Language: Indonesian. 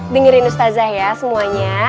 dengerin ustazah ya semuanya